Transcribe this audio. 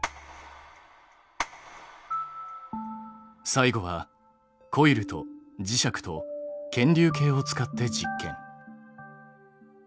最後はコイルと磁石と検流計を使って実験。